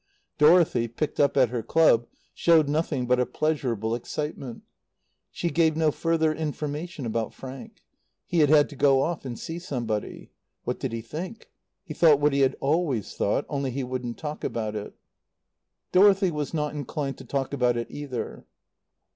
Dorothy, picked up at her club, showed nothing but a pleasurable excitement. She gave no further information about Frank. He had had to go off and see somebody. What did he think? He thought what he had always thought; only he wouldn't talk about it. Dorothy was not inclined to talk about it either.